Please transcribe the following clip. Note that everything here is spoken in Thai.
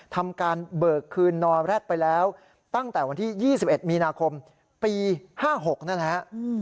ทำการเบิกคืนนอแร็ดไปแล้วตั้งแต่วันที่๒๑มีนาคมปี๕๖นั่นแหละ